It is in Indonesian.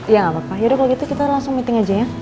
ya nggak apa apa yaudah kalau gitu kita langsung meeting aja ya